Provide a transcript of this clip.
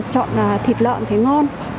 chọn thịt lợn thấy ngon